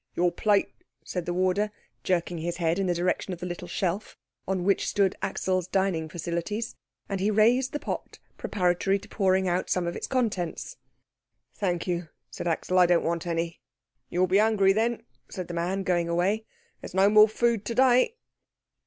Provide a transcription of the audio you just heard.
"Your plate," said the warder, jerking his head in the direction of the little shelf on which stood Axel's dining facilities; and he raised the pot preparatory to pouring out some of its contents. "Thank you," said Axel, "I don't want any." "You'll be hungry then," said the man, going away. "There is no more food to day."